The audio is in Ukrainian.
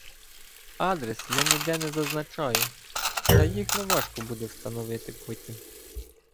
Адрес я ніде не зазначаю, та їх неважко буде встановити потім.